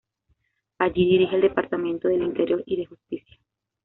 Allí dirige el departamento del interior y de justicia.